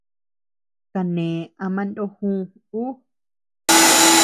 Kané ama ndógü ú.